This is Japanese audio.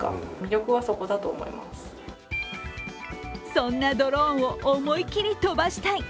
そんなドローンを思い切り飛ばしたい。